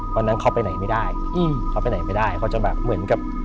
วันนั้นเขาไปไหนไม่ได้เขาไปไหนไม่ได้เขาจะแบบเหมือนกับ